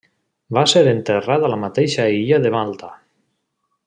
Va ser enterrat a la mateixa illa de Malta.